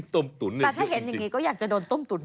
แต่ถ้าเห็นอย่างนี้ก็อยากจะโดนต้มตุ๋น